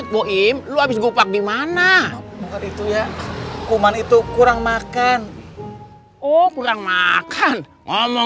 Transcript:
gua bisa beliin ya